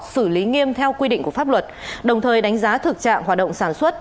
xử lý nghiêm theo quy định của pháp luật đồng thời đánh giá thực trạng hoạt động sản xuất